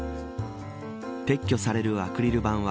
撤去されるアクリル板は